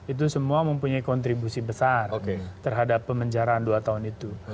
itu semua mempunyai kontribusi besar terhadap pemenjaraan dua tahun itu